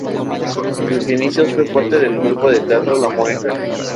En sus inicios fue parte del grupo de teatro "La Mueca".